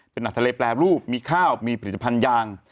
เป็นอาหารทะเลแปรรูปมีข้าวมีผลิตภัณฑ์ยาง